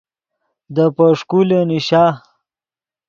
دے پوݰکولے نیشا